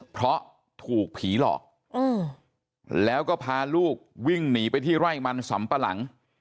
เพราะถูกผีหลอกแล้วก็พาลูกวิ่งหนีไปที่ไร่มันสำปะหลัง